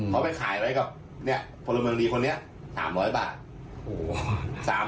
เขาไปขายไว้กับพลเมืองดีคนนี้๓๐๐บาท